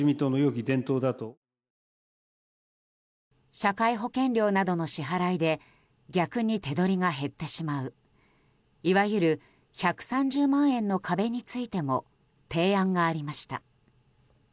社会保険料などの支払いで逆に手取りが減ってしまういわゆる１３０万円の壁についても提案がありました。